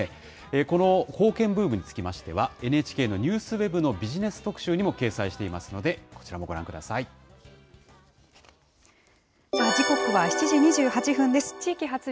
この硬券ブームにつきましては、ＮＨＫのＮＥＷＳＷＥＢのビジネス特集にも掲載していますので、さあ時刻は７時２８分です。